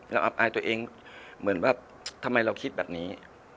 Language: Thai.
อับอายตัวเองเหมือนว่าทำไมเราคิดแบบนี้